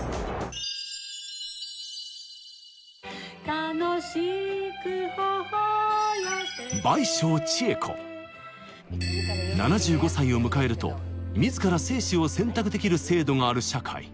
楽しく頬寄せて７５歳を迎えると自ら生死を選択できる制度がある社会